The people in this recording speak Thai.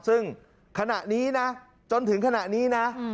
ซึ่งขณะนี้นะจนถึงขณะนี้นะ